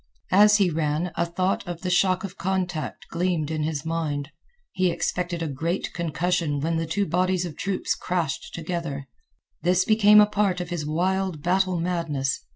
As he ran a thought of the shock of contact gleamed in his mind. He expected a great concussion when the two bodies of troops crashed together. This became a part of his wild battle madness.